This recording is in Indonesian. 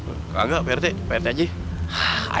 nggak pak rt pak rt aja